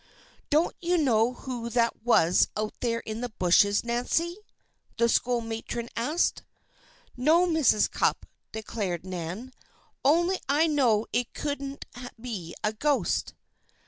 "Don't you know who that was out there in the bushes, Nancy?" the school matron asked. "No, Mrs. Cupp," declared Nan. "Only I know it couldn't be a ghost."